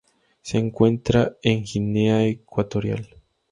Se encuentra en Guinea Ecuatorial.